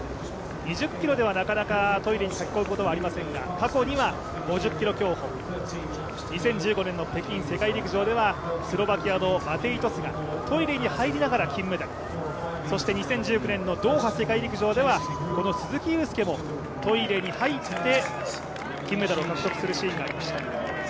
２０ｋｍではなかなかトイレに駆け込むことはありませんが、過去には５０ｋｍ競歩２０１５年の北京世界陸上ではスロバキアのマテイ・トスがトイレに入りながら金メダル、そして２０１９年のドーハ世界陸上では、この鈴木雄介もトイレに入って、金メダルを獲得するシーンがありました。